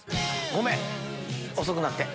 ごめん遅くなって。